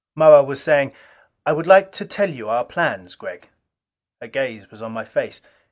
Moa was saying, "I would like to tell you our plans, Gregg." Her gaze was on my face.